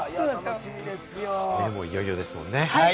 いよいよですもんね。